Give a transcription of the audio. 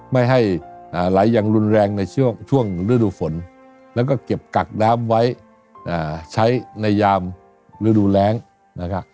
ไม่ให้ไหลอย่างรุนแรงในช่วงฤดูฝนแล้วก็เก็บกักน้ำไว้ใช้ในยามฤดูแรงนะครับ